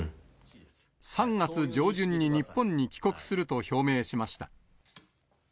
３月上旬に日本に帰国すると表明しました。